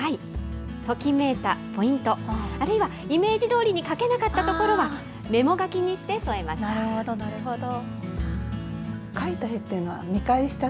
ときめいたポイント、あるいはイメージどおりに描けなかったところは、メモ書きにしてなるほど。